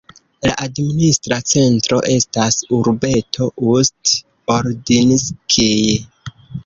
La administra centro estas urbeto Ust-Ordinskij.